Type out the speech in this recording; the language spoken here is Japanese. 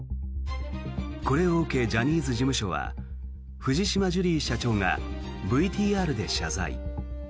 これを受け、ジャニーズ事務所は藤島ジュリー社長がＶＴＲで謝罪。